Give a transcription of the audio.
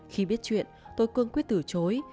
khi biết chuyện tôi cương quyết từ chối